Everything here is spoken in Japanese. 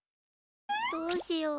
どうしよう。